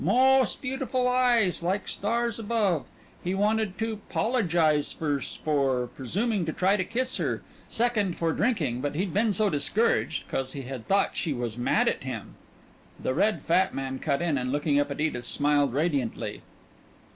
Mos' beautiful eyes, like stars above. He wanted to 'pologize firs', for presuming try to kiss her; second, for drinking but he'd been so discouraged 'cause he had thought she was mad at him The red fat man cut in, and looking up at Edith smiled radiantly.